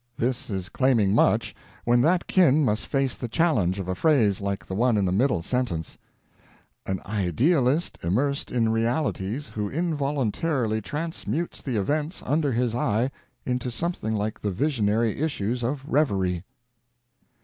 This is claiming much when that kin must face the challenge of a phrase like the one in the middle sentence: "an idealist immersed in realities who involuntarily transmutes the events under his eye into something like the visionary issues of reverie."